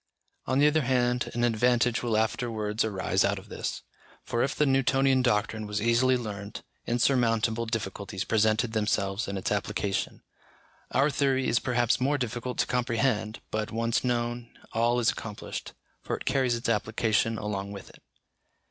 On the other hand, an advantage will afterwards arise out of this: for if the Newtonian doctrine was easily learnt, insurmountable difficulties presented themselves in its application. Our theory is perhaps more difficult to comprehend, but once known, all is accomplished, for it carries its application along with it.